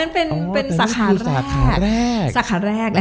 อันนั้นเป็นสาขาแรก